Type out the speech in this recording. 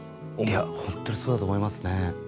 いや本当にそうだと思いますね。